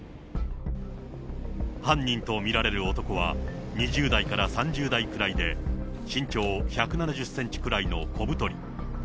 犯人と見られる男は、２０代から３０代くらいで、身長１７０センチぐらいの小太り。